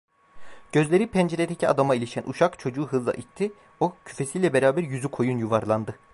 Gözleri penceredeki adama ilişen uşak çocuğu hızla itti; o, küfesiyle beraber yüzükoyun yuvarlandı.